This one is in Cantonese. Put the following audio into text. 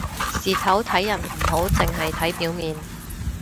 事頭睇人唔好淨係睇表面